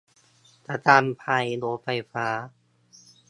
ประกันภัยโรงไฟฟ้า